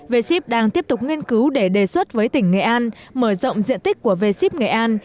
v ship đang tiếp tục nghiên cứu để đề xuất với tỉnh nghệ an mở rộng diện tích của v ship nghệ an